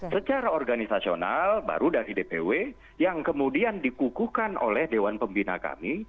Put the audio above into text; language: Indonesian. secara organisasional baru dari dpw yang kemudian dikukuhkan oleh dewan pembina kami